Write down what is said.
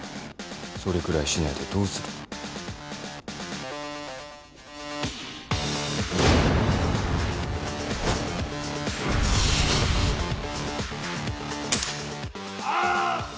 それくらいしないでどうする？あーっ！